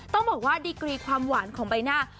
ต้องบอกว่าดีกรีความหวานของใบหน้า